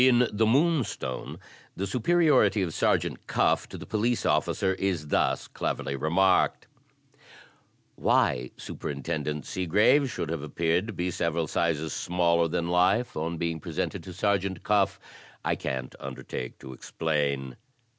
I08 THE TECHNIQUE OF THE MYSTERY STORY In The Moonstone " the superiority of Sergeant Cuff to the Police officer is thus cleveriy remarked: Why Superintendent Seegrave shotild have appeared to be sev eral sizes smaller than life, on being presented to Sergeant Cuff, I can't undertake to explain.